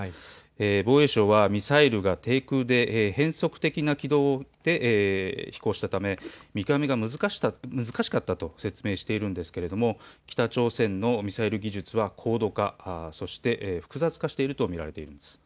防衛省はミサイルが低空で変則的な軌道で飛行したため見極めが難しかったと説明しているんですけれども北朝鮮のミサイル技術は高度化、そして複雑化していると見られています。